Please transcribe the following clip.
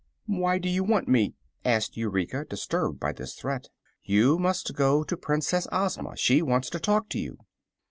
"Why do you want me?" asked Eureka, disturbed by this threat. "You must go to Princess Ozma. She wants to talk to you."